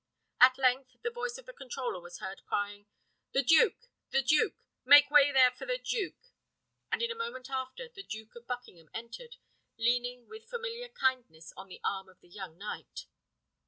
At length the voice of the controller was heard crying "The duke! the duke! Make way there for the duke!" and in a moment after the Duke of Buckingham entered, leaning with familiar kindness on the arm of the young knight.